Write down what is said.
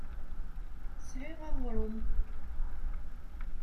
Sɛiɣ aɣrum.